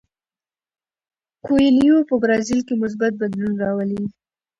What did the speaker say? کویلیو په برازیل کې مثبت بدلون راولي.